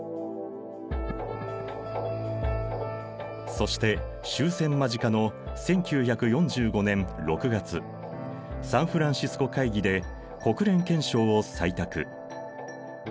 そして終戦間近の１９４５年６月サンフランシスコ会議で国連憲章を採択。